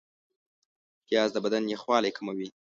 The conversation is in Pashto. پیاز د بدن یخوالی کموي